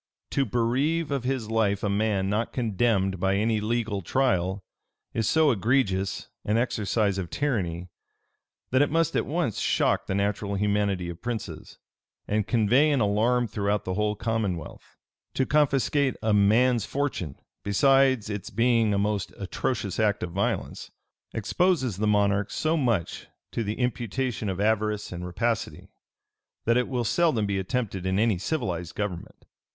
To bereave of his life a man not condemned by any legal trial, is so egregious an exercise of tyranny, that it must at once shock the natural humanity of princes, and convey an alarm throughout the whole commonwealth. To confiscate a man's fortune, besides its being a most atrocious act of violence, exposes the monarch so much to the imputation of avarice and rapacity, that it will seldom be attempted in any civilized government.